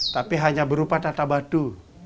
tapi hanya berupa tata batu